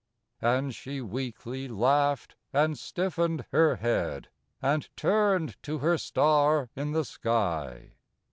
And she weakly laughed and stiffened her head And turned to her star in the sky.